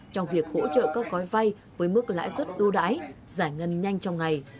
trong việc hỗ trợ các gói vay với mức lãi suất ưu đãi giải ngân nhanh trong ngày